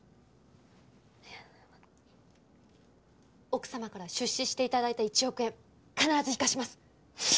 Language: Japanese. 奥様から出資して頂いた１億円必ず生かします！